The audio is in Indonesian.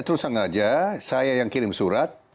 terus sengaja saya yang kirim surat